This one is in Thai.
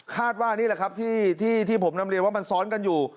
นี่แหละครับที่ผมนำเรียนว่ามันซ้อนกันอยู่